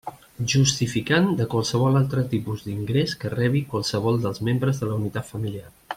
Justificant de qualsevol altre tipus d'ingrés que rebi qualsevol dels membres de la unitat familiar.